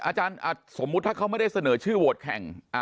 อาจารย์สมมุติถ้าเขาไม่ได้เสนอชื่อโหวตแข่ง